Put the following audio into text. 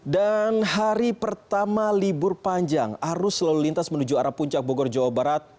dan hari pertama libur panjang arus lalu lintas menuju arah puncak bogor jawa barat